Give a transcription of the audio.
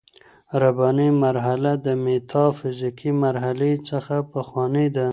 رباني مرحله د ميتا فزيکي مرحلې څخه پخوانۍ ده.